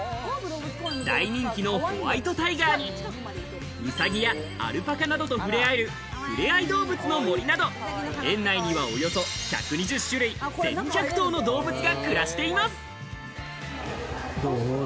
大人気のホワイトタイガーに、ウサギやアルパカなどと触れ合える、ふれあいどうぶつの森など園内にはおよそ１２０種類、１２００頭の動物が暮らしています。